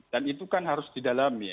dan itu kan harus didalami